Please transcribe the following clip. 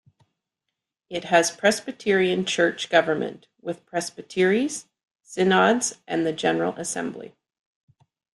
It has Presbyterian church government with Presbyteries, Synods and the General Assembly.